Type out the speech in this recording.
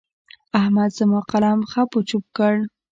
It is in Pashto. احمد زما قلم خپ و چپ کړ.